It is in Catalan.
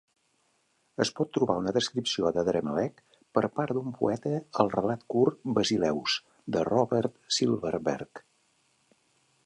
Es pot trobar una descripció d'Adramelech per part d'un poeta al relat curt "Basileus", de Robert Silverberg.